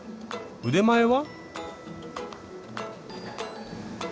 腕前は？